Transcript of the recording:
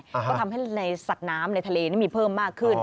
ก็ทำให้ในสัตว์น้ำในทะเลนี่มีเพิ่มมากขึ้น